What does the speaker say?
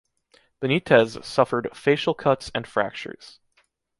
Benitez suffered facial cuts and fractures.